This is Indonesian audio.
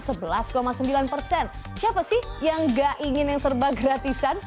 siapa sih yang gak ingin yang serba gratisan